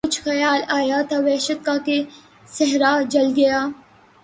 کچھ خیال آیا تھا وحشت کا کہ صحرا جل گیا